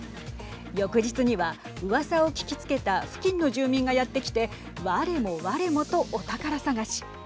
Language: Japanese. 翌日には、うわさを聞きつけた付近の住民がやってきてわれもわれもと、お宝探し。